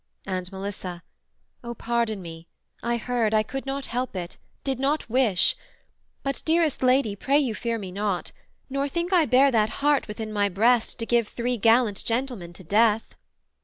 and Melissa, 'O pardon me I heard, I could not help it, did not wish: But, dearest Lady, pray you fear me not, Nor think I bear that heart within my breast, To give three gallant gentlemen to death.'